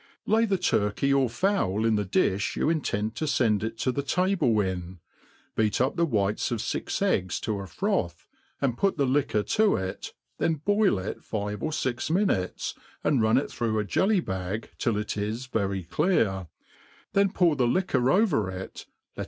Lay the turTcey or fowl in the difii you intend to fend it to the table in> beat up the whites of fix ecigs to a froth, and put the liquoc to it, thdi boil it fiye or fixniinutes, and run it through a jelly bag till it is very clear, then pour the liquor over it, let.